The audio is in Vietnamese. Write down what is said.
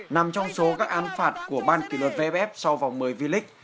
nằm trong số các án phạt của ban kỷ luật vff sau vòng một mươi v lix